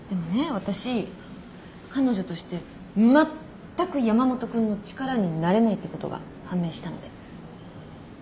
私彼女としてまったく山本君の力になれないってことが判明したので。